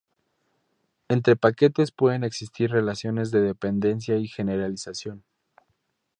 Entre paquetes pueden existir relaciones de dependencia y generalización.